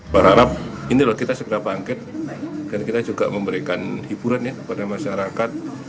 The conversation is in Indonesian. berharap ini loh kita segera bangkit dan kita juga memberikan hiburan ya kepada masyarakat